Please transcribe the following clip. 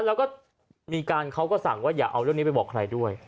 แล้วก็มีการเขาก็สั่งว่าอย่าเอาเรื่องนี้ไปบอกใครด้วย